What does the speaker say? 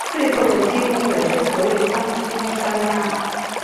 最后的积分则是所有项目积分相加。